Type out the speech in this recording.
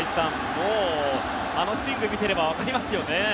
もうあのスイングを見ていればわかりますよね。